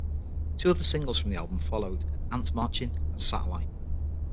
Two other singles from the album followed, "Ants Marching" and "Satellite".